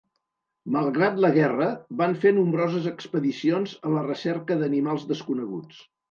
Malgrat la guerra, van fer nombroses expedicions a la recerca d'animals desconeguts.